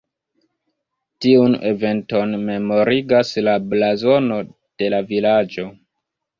Tiun eventon memorigas la blazono de la vilaĝo.